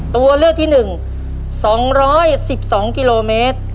ตัวเลือกที่๑สองร้อยสิบสองกิโลเมตร